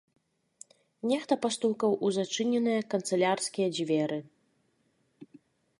Нехта пастукаў у зачыненыя канцылярскія дзверы.